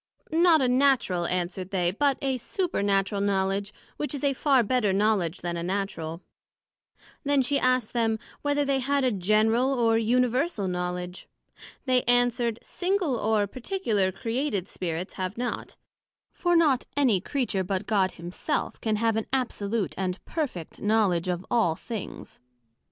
Not a Natural, answered they, but a Supernatural Knowledg, which is a far better Knowledg then a Natural. Then she asked them, Whether they had a General or Universal Knowledg? They answered, Single or particular created Spirits, have not; for not any Creature, but God Himself, can have an absolute and perfect knowledg of all things.